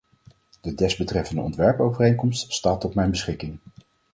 De desbetreffende ontwerpovereenkomst staat tot mijn beschikking.